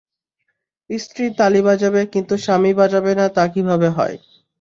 স্ত্রী তালি বাজাবে কিন্তু স্বামী বাজাবে না তা কীভাবে হয়?